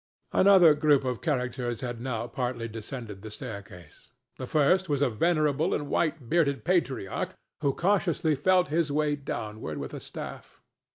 Another group of characters had now partly descended the staircase. The first was a venerable and white bearded patriarch who cautiously felt his way downward with a staff.